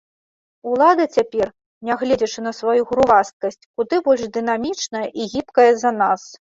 Улада цяпер, нягледзячы на сваю грувасткасць, куды больш дынамічная і гібкая за нас.